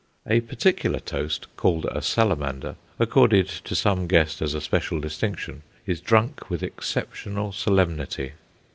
A particular toast, called a Salamander, accorded to some guest as a special distinction, is drunk with exceptional solemnity.